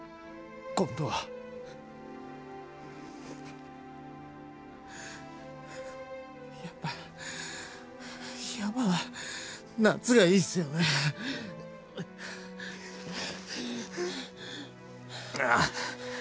今度はやっぱ山は夏がいいっすよねああ